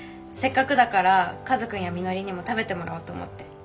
せっかくだからカズくんやみのりにも食べてもらおうと思って。